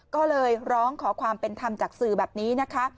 ก็เลยร้องขอความเป็นธรรมจากสื่อแบบนี้นะคะ